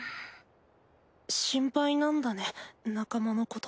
心配なんだね仲間のこと。